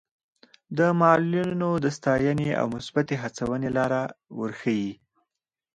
د معلولینو د ستاینې او مثبتې هڅونې لاره ورښيي.